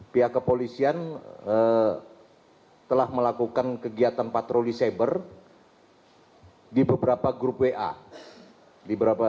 pihak kepolisian telah melakukan kegiatan patroli saber di beberapa grup wa